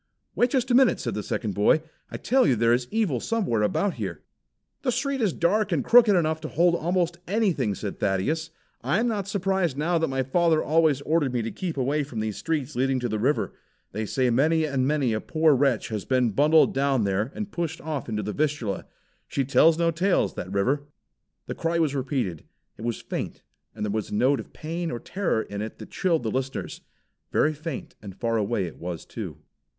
"Wait just a minute," said the second boy. "I tell you there is evil somewhere about here!" "The street is dark and crooked enough to hold almost anything," said Thaddeus. "I am not surprised now that my father always ordered me to keep away from these streets leading to the river. They say many and many a poor wretch has been bundled down there and pushed off into the Vistula. She tells no tales, that river." The cry was repeated. It was faint, and there was a note of pain or terror in it that chilled the listeners. Very faint and far away it was too.